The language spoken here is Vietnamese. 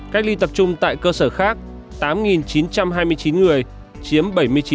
cách ly tập trung tại cơ sở khác tám chín trăm hai mươi chín người chiếm bảy mươi chín